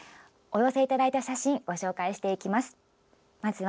お寄せいただいた写真ご紹介していきます。